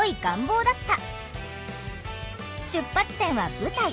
出発点は舞台。